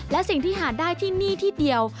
และสิ่งที่หาได้ที่นี่ที่เดียว